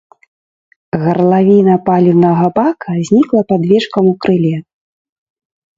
Гарлавіна паліўнага бака знікла пад вечкам у крыле.